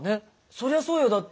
そりゃそうよだって。